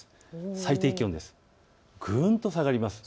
最低気温、ぐんと下がります。